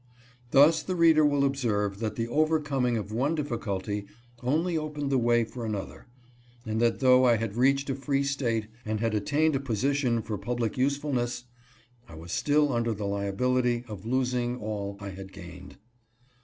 Thus the reader will observe that the overcoming of one difficulty only opened the way for another, and that though I had reached a free State, and had attained a position for public usefulness, I was still under the liability of losing all I had gained.